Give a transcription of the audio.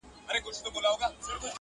د زمان بلال به کله، کله ږغ کي.!